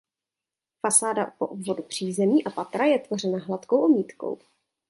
Fasáda po obvodu přízemí a patra je tvořena hladkou omítkou.